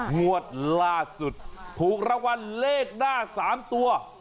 งวดล่าสุดถูกรางวัลเลขหน้า๓ตัว